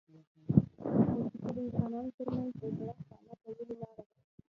موسیقي د انسانانو ترمنځ د زړه خواله کولو لاره ده.